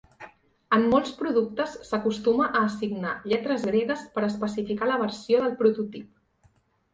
En molts productes s'acostuma a assignar lletres gregues per especificar la versió del prototip.